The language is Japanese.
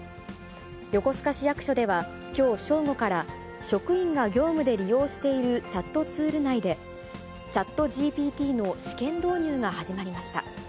横須賀市役所では、きょう正午から、職員が業務で利用しているチャットツール内で、チャットＧＰＴの試験導入が始まりました。